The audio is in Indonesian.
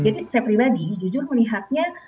jadi saya pribadi jujur melihatnya